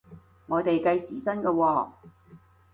我哋計時薪嘅喎？